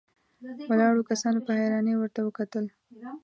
ولاړو کسانو په حيرانۍ ورته وکتل.